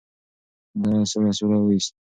ده سوړ اسویلی وایست.